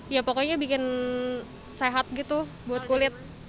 ya pokoknya bikin sehat gitu buat kulit